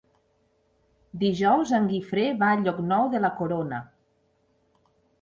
Dijous en Guifré va a Llocnou de la Corona.